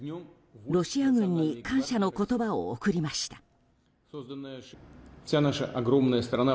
ロシア軍に感謝の言葉を送りました。